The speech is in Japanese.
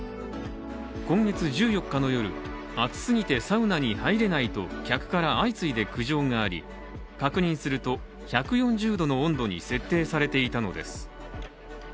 今月１４日の夜、熱すぎてサウナに入れないと客から相次いで苦情があり、確認すると１４０度の温度に設定されていたのです。